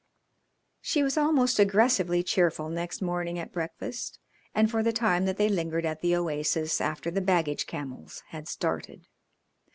She was almost aggressively cheerful next morning at breakfast and for the time that they lingered at the oasis after the baggage camels had started.